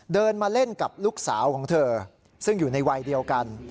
เดินมาเล่นกับลูกสาวของเธอซึ่งอยู่ในวัยเดียวกัน